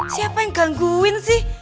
siapa yang gangguin sih